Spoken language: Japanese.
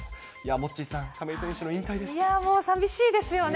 モッチーさん、亀井選手の引退で本当にさみしいですよね。